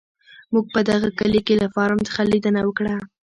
موږ په دغه کلي کې له فارم څخه لیدنه وکړه.